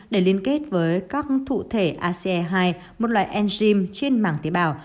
để liên kết với các thụ thể ace hai một loại enzyme trên mạng tế bào